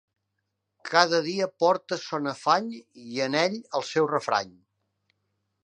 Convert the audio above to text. Cada dia porta son afany, i en ell el seu refrany.